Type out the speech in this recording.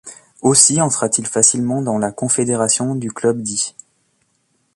Aussi entra-t-il facilement dans la confédération du club dit